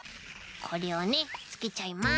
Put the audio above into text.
これをねつけちゃいます。